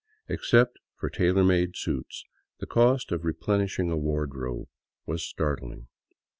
Except for tailor made suits, the cost of replenishing a wardrobe was startling.